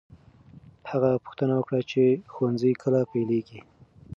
هغه پوښتنه وکړه چې ښوونځی کله پیلېږي.